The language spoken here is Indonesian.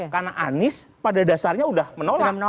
karena anies pada dasarnya sudah menolak